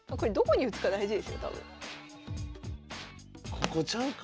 ここちゃうか？